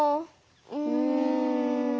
うん。